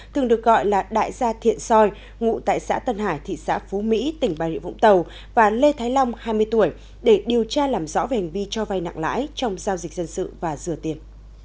thường được gọi là đại gia thiện soi ngụ tại xã tân hải thị xã phú mỹ tỉnh bà rịa vũng tàu và lê thái long hai mươi tuổi để điều tra làm rõ về hành vi cho vay nặng lãi trong giao dịch dân sự và rửa tiền